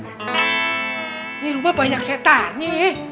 ini rumah banyak cetani ya